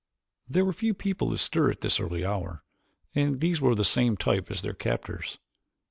There were few people astir at this early hour, and these were of the same type as their captors.